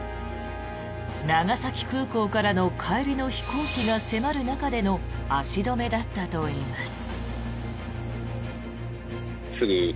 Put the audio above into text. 長崎空港からの帰りの飛行機が迫る中での足止めだったといいます。